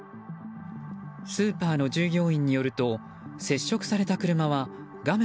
スーパーの従業員によると接触された車は画面